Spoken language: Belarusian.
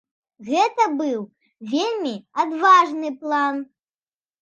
Гэты быў вельмі адважны план.